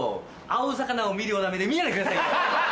青魚を見るような目で見ないでくださいよ！